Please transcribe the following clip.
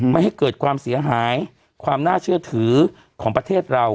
ไม่ให้เกิดความเสียหายความน่าเชื่อถือของประเทศเรา